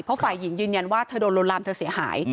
เพราะฝ่ายหญิงยืนยันว่าเธอโดนลวนลามเธอเสียหาย